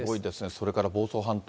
それから房総半島。